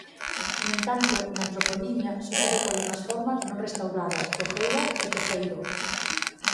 No entanto, na antroponimia só se recollen as formas non restauradas Tojeira e Tojeiro.